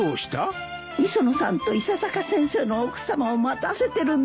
磯野さんと伊佐坂先生の奥さまを待たせてるんですから早く。